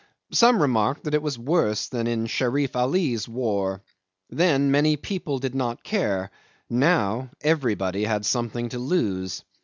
Some remarked that it was worse than in Sherif Ali's war. Then many people did not care; now everybody had something to lose.